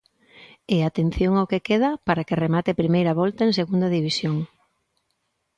E atención ao que queda para que remate a primeira volta en Segunda División.